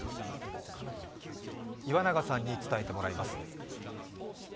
岩永さんに伝えてもらいます。